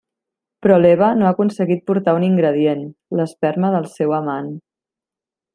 Però Eva no ha aconseguit portar un ingredient: l'esperma del seu amant.